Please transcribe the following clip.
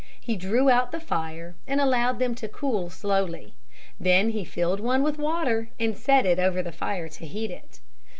He drew out the fire and allowed them to cool slowly. Then he filled one with water and set it over the fire to heat it.